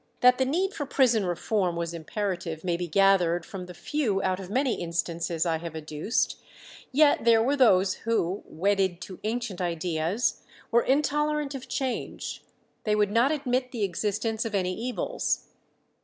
That the need for prison reform was imperative may be gathered from the few out of many instances I have adduced, yet there were those who, wedded to ancient ideas, were intolerant of change; they would not admit the existence of any evils.